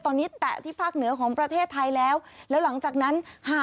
ตอนนี้แตะที่ภาคเหนือของประเทศไทยแล้วแล้วหลังจากนั้น